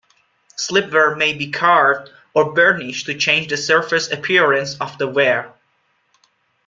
Slipware may be carved or burnished to change the surface appearance of the ware.